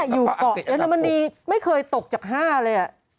เย็มเรมานีไม่เคยตกจาก๙เลย